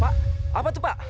pak apa itu pak